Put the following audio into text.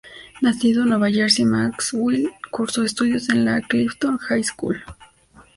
Nacido en Nueva Jersey, Maxwell cursó estudios en la Clifton High School.